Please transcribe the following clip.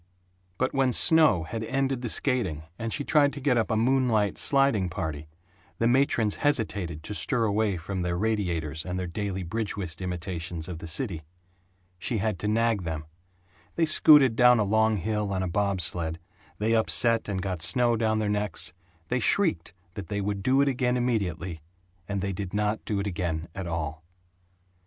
But when snow had ended the skating and she tried to get up a moonlight sliding party, the matrons hesitated to stir away from their radiators and their daily bridge whist imitations of the city. She had to nag them. They scooted down a long hill on a bob sled, they upset and got snow down their necks they shrieked that they would do it again immediately and they did not do it again at all.